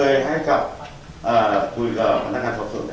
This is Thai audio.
คุณชายรับเขาเป็นจริงแล้วได้ไปด้วยบ้านหรือเปล่า